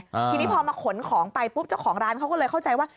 ทีนี้พอมาขนของไปปุ๊บเจ้าของร้านเขาก็เลยเข้าใจว่า